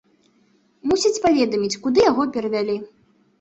Мусяць паведаміць, куды яго перавялі.